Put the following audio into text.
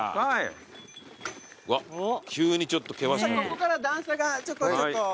ここから段差がちょこちょこ。